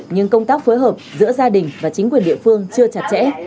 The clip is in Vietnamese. nhưng công tác phối hợp giữa gia đình và chính quyền địa phương chưa chặt chẽ